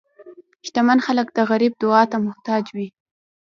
شتمن خلک د غریب دعا ته محتاج وي.